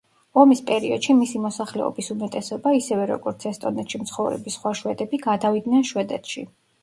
ომის პერიოდში მისი მოსახლეობის უმეტესობა, ისევე როგორც ესტონეთში მცხოვრები სხვა შვედები გადავიდნენ შვედეთში.